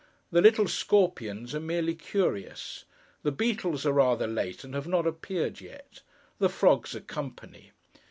The little scorpions are merely curious. The beetles are rather late, and have not appeared yet. The frogs are company.